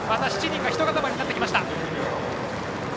７人がひと固まりになってきました。